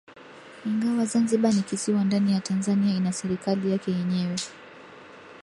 Ingawa Zanzibar ni kisiwa ndani ya Tanzania ina serikali yake yenyewe